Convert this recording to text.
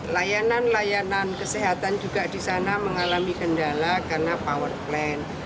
layanan layanan kesehatan juga di sana mengalami kendala karena power plan